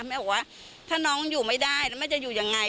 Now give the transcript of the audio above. แม่บอกว่าถ้าน้องอยู่ไม่ได้แล้วแม่จะอยู่ยังไง